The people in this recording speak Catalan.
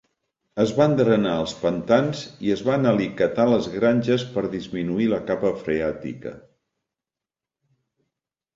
Es van drenar els pantans i es van alicatar les granges per disminuir la capa freàtica.